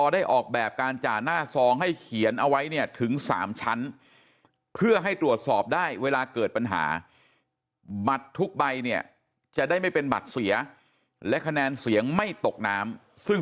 ได้ออกแบบการจ่าหน้าซองให้เขียนเอาไว้เนี่ยถึง๓ชั้นเพื่อให้ตรวจสอบได้เวลาเกิดปัญหาบัตรทุกใบเนี่ยจะได้ไม่เป็นบัตรเสียและคะแนนเสียงไม่ตกน้ำซึ่ง